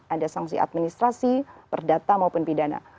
ada sanksi administrasi perdata maupun pidana